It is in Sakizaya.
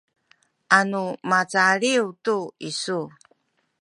anu macaliw tu isu